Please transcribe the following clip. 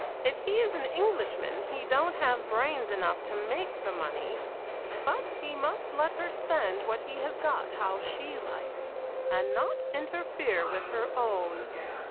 If he is an Englishman he don't have brains enough to make the money, but he must let her spend what he has got how she likes, and not interfere with her own."